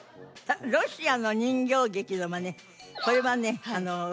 ロシアの人形劇のマネ。